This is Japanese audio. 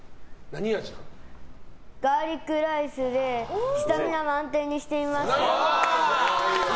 ガーリックライスでスタミナ満点にしてみました。